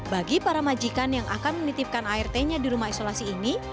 bagi para majikan yang akan menitipkan art nya di rumah isolasi ini